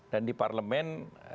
dan di parlemen